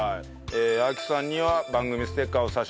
あきさんには番組ステッカーを差し上げます。